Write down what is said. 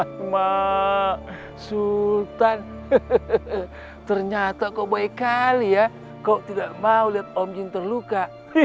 sama sultan ternyata kau baik kali ya kok tidak mau lihat omjin terluka